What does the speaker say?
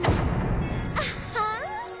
あっはん！